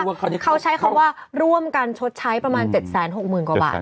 แต่เขามือนเข้าใจว่ารวมกันซะไปจะใช้ประมาณ๗๖๐บาท